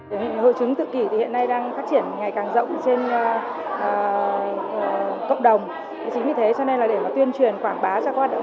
hội chứng tự kỷ hiện nay đang phát triển ngày càng rộng trên cộng đồng